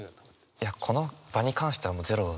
いやこの場に関してはもう０。